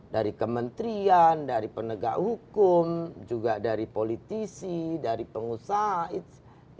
dari kementerian dari penegak hukum juga dari politisi dari pengusaha